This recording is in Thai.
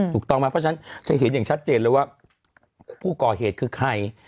ถูกต้องไหมเพราะฉะนั้นจะเห็นอย่างชัดเจนเลยว่าผู้ก่อเหตุคือใคร